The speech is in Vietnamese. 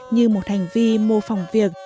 như một hành vi mô phòng việc